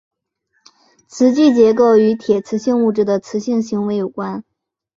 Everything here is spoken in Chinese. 磁矩结构与铁磁性物质的磁性行为有关。